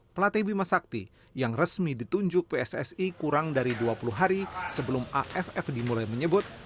pelatih bima sakti yang resmi ditunjuk pssi kurang dari dua puluh hari sebelum aff dimulai menyebut